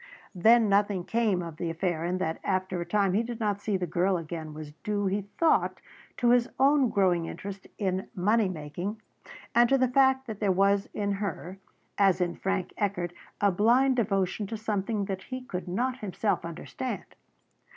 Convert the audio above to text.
That nothing came of the affair and that after a time he did not see the girl again was due, he thought, to his own growing interest in money making and to the fact that there was in her, as in Frank Eckardt, a blind devotion to something that he could not himself understand.